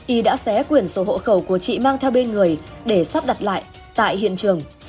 y đã xé quyển sổ hộ khẩu của chị mang theo bên người để sắp đặt lại tại hiện trường